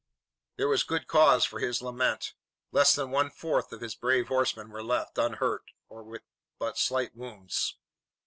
There was good cause for his lament. Less than one fourth of his brave horsemen were left unhurt or with but slight wounds.